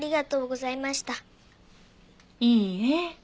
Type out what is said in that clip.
いいえ。